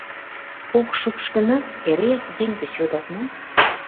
Ок шупш гынат, эреак еҥ деч йодат мо?